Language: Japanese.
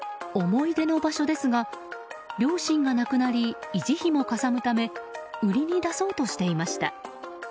思い出の場所ですが両親が亡くなり維持費もかさむため売りに出そうとしていました。